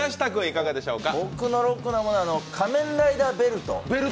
僕のロックなものは仮面ライダーベルト。